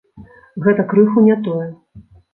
Гэта крыху не тое.